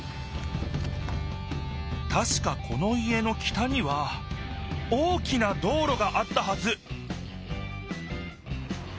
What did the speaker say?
たしかこの家の北には大きな道ろがあったはず！